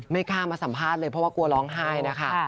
ไม่กล้ามาสัมภาษณ์เลยเพราะว่ากลัวร้องไห้นะคะ